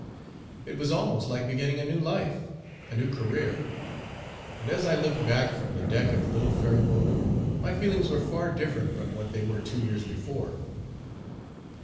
It was almost like beginning a new life, a new career, and as I looked back from the deck of the little ferryboat my feelings were far different from what they were two years before.